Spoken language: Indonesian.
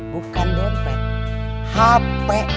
bukan dompet hp